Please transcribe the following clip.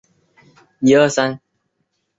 这座教堂也是大教堂网的成员之一。